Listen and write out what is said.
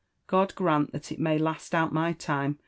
God grant that it may last out my time!